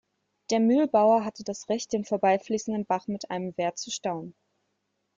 Der Mühlbauer hatte das Recht, den vorbeifließenden Bach mit einem Wehr zu stauen.